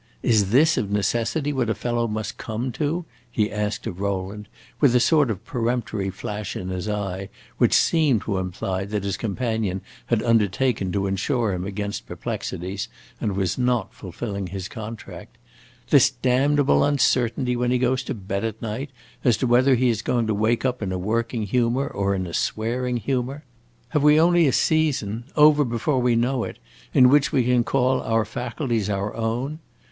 "Is this of necessity what a fellow must come to" he asked of Rowland, with a sort of peremptory flash in his eye, which seemed to imply that his companion had undertaken to insure him against perplexities and was not fulfilling his contract "this damnable uncertainty when he goes to bed at night as to whether he is going to wake up in a working humor or in a swearing humor? Have we only a season, over before we know it, in which we can call our faculties our own?